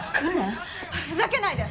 ふざけないで！